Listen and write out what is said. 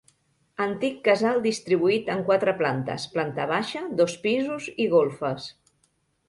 Antic casal distribuït en quatre plantes: planta baixa, dos pisos i golfes.